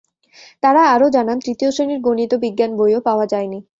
তাঁরা আরও জানান, তৃতীয় শ্রেণির গণিত ও বিজ্ঞান বইও পাওয়া যায়নি।